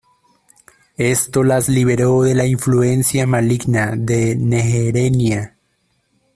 Esto las liberó de la influencia maligna de Neherenia.